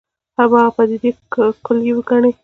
هماغه پدیدې کُل یې وګڼي.